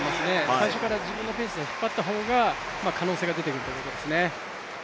最初から自分のペースで引っ張った方が可能性が出てくるということですね。